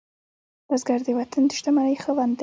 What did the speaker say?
بزګر د وطن د شتمنۍ خاوند دی